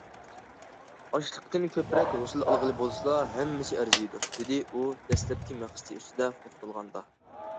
« ئاشلىقتىن كۆپرەك ھوسۇل ئالغىلى بولسىلا ھەممىسى ئەرزىيدۇ» دېدى ئۇ، دەسلەپكى مەقسىتى ئۈستىدە توختالغاندا.